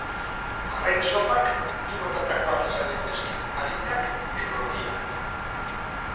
Arrain zopak bi motakoak izan daitezke: arinak edo lodiak.